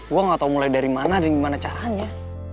gue nggak tahu mulai dari mana dan gimana caranya